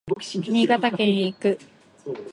新潟県へ行く